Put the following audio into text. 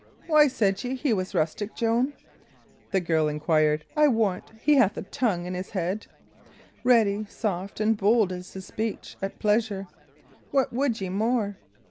"Why said ye he was rustic, Joan?" the girl inquired. "I warrant he hath a tongue in his head; ready, soft, and bold is his speech at pleasure. What would ye more?"